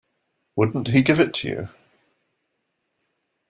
Wouldn't he give it to you?